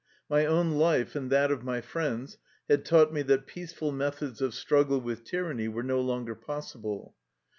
My own life and that of my friends had taught me that peace ful methods of struggle with tyranny were no longer possible.